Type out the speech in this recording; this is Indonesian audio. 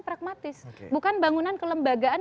pragmatis bukan bangunan kelembagaan